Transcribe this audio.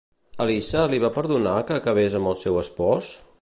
Elissa li va perdonar que acabés amb el seu espòs?